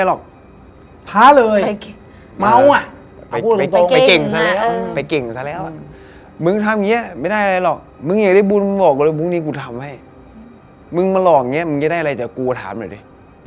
โหเต็มคาราเบลเลยพี่เต็มคาราเบลเลย